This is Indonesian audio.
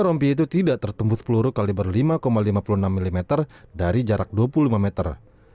rompi itu tidak tertembus peluru kaliber lima lima puluh enam mm dari jarak dua puluh lima meter